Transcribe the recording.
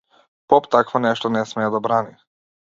Поп такво нешто не смее да брани!